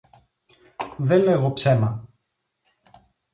Δε λέγω ψέμα!